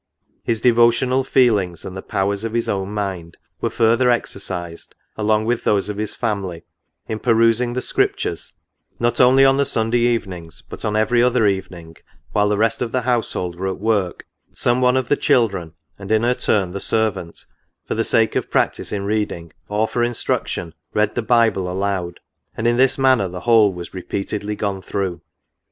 His devotional feelings and the powers of his own mind were further exercised, along with those of his family, in perusing the Scriptures ; not only on the Sunday evenings, but on every other evening, while the rest of the household were at work, some one of the children, and in her turn the ser vant, for the sake of practice in reading, or for instruction, read the Bible aloud ; and in this manner the whole was re peatedly gone through.